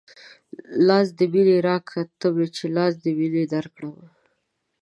لاس د مينې راکه تۀ چې لاس د مينې درکړمه